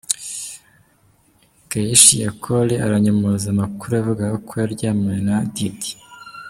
Keyshia Cole aranyomoza amakuru yavugaga ko yaryamanye na Diddy.